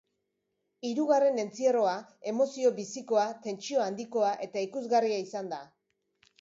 Hirugarren entzierroa emozio bizikoa, tentsio handikoa eta ikusgarria izan da.